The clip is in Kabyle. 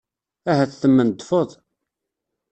Ahat temmendfeḍ?